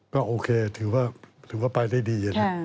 ก็โอเคถือว่าไปได้ดีนะ